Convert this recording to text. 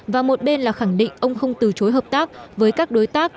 và một bên là khẳng định ông không từ chối hợp tác với các đối tác